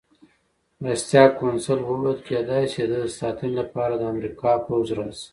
مرستیال کونسل وویل: کېدای شي د ده د ساتنې لپاره د امریکا پوځ راشي.